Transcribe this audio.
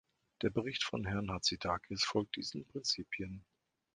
Der Bericht von Herrn Hatzidakis folgt diesen Prinzipien.